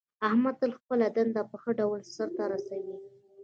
احمد تل خپله دنده په ښه ډول سرته رسوي.